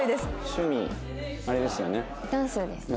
趣味あれですよね？